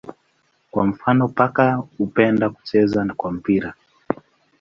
Kwa mfano paka hupenda kucheza kwa mpira.